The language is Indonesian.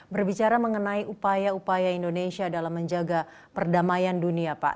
berbicara mengenai upaya upaya indonesia dalam menjaga perdamaian dunia pak